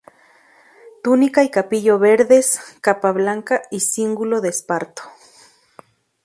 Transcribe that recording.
Túnica y capillo verdes, capa blanca y cíngulo de esparto.